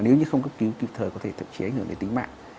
nếu như không cấp cứu kịp thời có thể thậm chí ảnh hưởng đến tính mạng